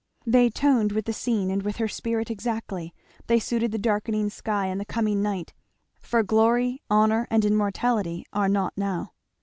They toned with the scene and with her spirit exactly; they suited the darkening sky and the coming night; for "glory, honour, and immortality" are not now.